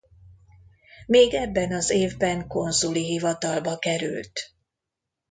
Még ebben az évben konzuli hivatalba került.